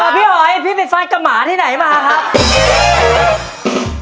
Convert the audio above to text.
พี่อ๋อยพี่ไปฟันกับหมาที่ไหนมาครับ